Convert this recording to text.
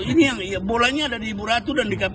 ini yang bolanya ada di buratu dan di kpu